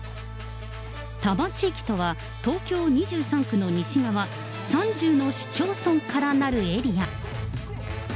多摩地域とは東京２３区の西側、３０の市町村からなるエリア。